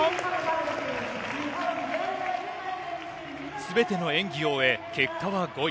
すべての演技を終え、結果は５位。